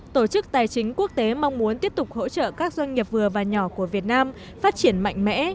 tổ chức tài chính quốc tế mong muốn tiếp tục hỗ trợ các doanh nghiệp vừa và nhỏ của việt nam phát triển mạnh mẽ